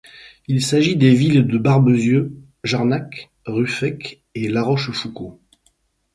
Il s'agit des villes de Barbezieux, Jarnac, Ruffec et La Rochefoucauld.